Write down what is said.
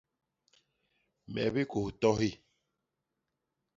Me bikôs tohi.